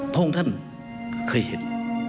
พวกท่านเคยเห็น